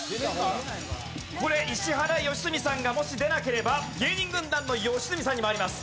これ石原良純さんがもし出なければ芸人軍団の吉住さんに回ります。